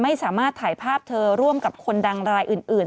ไม่สามารถถ่ายภาพเธอร่วมกับคนดังรายอื่น